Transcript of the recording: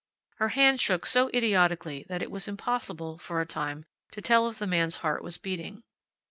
Her hand shook so idiotically that it was impossible for a time to tell if the man's heart was beating.